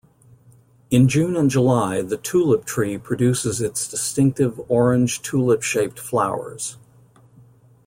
In June and July the Tulip Tree produces its distinctive orange tulip-shaped flowers.